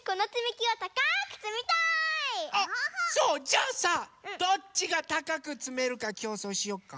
じゃあさどっちがたかくつめるかきょうそうしよっか？